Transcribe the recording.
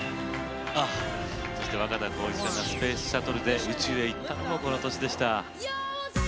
そして、若田光一さんがスペースシャトルで宇宙へ行ったのも、この年でした。